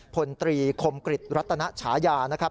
พลตรีคมกริจรัตนฉายานะครับ